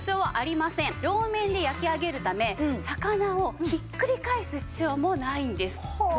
両面で焼き上げるため魚をひっくり返す必要もないんです。